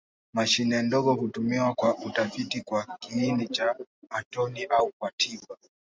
Mashine ndogo hutumiwa kwa utafiti kwa kiini cha atomi au kwa tiba.